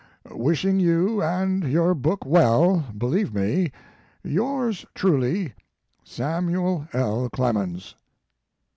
" Wishing you and your book well, believe me, "Yours truly, SAMUEL L. CLEMENS."